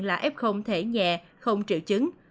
là f thể nhẹ không triệu chứng